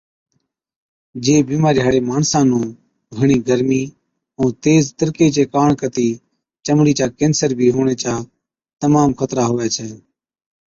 جي بِيمارِي هاڙي ماڻسا نُون گھڻِي گرمِي ائُون تيز تِڙڪي چي ڪاڻ ڪتِي چمڙِي چا ڪينسر بِي هُوَڻي چا تمام خطرا هُوَي ڇَي